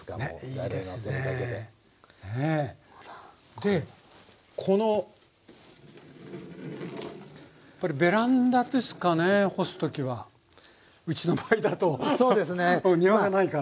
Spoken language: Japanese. でこのやっぱりベランダですかね干す時はうちの場合だと庭がないから。